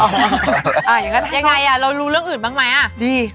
แหง่งั้นค่ะจ้าผมดี